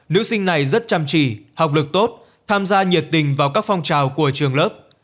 nữ sinh này rất chăm chỉ học lực tốt tham gia nhiệt tình vào các phong trào của trường lớp